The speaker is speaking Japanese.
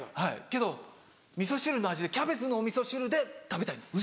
けどみそ汁の味でキャベツのおみそ汁で食べたいんです。